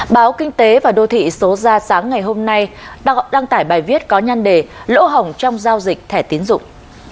báo kinh tế và đô thị số ra sáng ngày hôm nay đăng tải bài viết có nhăn đề lỗ hỏng trong giao dịch thẻ tiến dụng